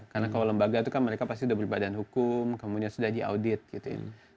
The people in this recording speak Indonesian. karena kalau lembaga itu kan mereka pasti sudah berbadan hukum kemudian sudah diaudit gitu ya